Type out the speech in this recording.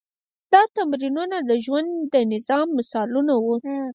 دا تمرینونه د ژوند د نظم مثالونه وو.